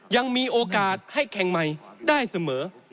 ยังมีโอกาสให้แข่งใหม่ได้เสมอ